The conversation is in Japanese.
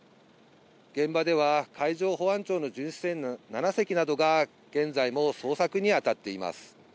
現場では、海上保安庁の巡視船７隻などが、現在も捜索に当たっています。